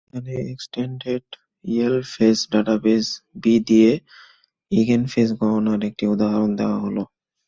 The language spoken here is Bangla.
এখানে extended Yale face database B দিয়ে ইগেনফেস গণনার একটি উদাহরণ দেওয়া হল।